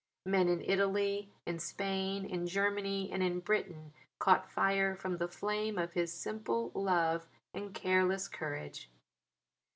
Men in Italy, in Spain, in Germany and in Britain caught fire from the flame of his simple love and careless courage.